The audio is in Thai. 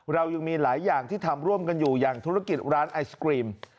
เรายังมีหลายอย่างที่ทำร่วมกันอยู่อย่างธุรกิจร้านไอศกรีม